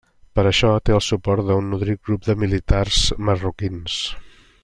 Per a això té el suport d'un nodrit grup de militars marroquins.